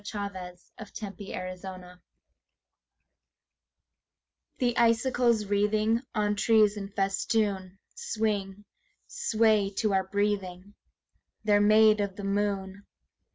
SILVER FILIGREE The icicles wreathing On trees in festoon Swing, swayed to our breathing: They're made of the moon.